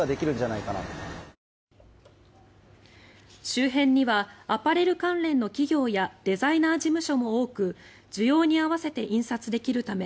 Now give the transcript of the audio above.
周辺にはアパレル関連の企業やデザイナー事務所も多く需要に合わせて印刷できるため